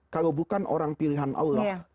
kalau bukan orang pilihan allah